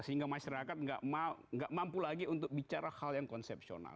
sehingga masyarakat nggak mampu lagi untuk bicara hal yang konsepsional